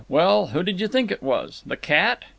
Well, who did you think it was? The cat?